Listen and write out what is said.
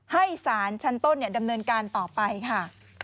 ให้สารชั้นต้นดำเนินการต่อไปค่ะ